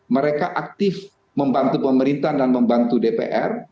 mereka aktif membantu pemerintahan dan membantu dpr